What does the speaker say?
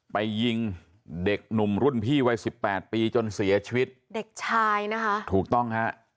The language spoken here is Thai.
ไปยิงเด็กหนุ่มรุ่นพี่วัยสิบแปดปีจนเสียชีวิตเด็กชายนะคะถูกต้องฮะ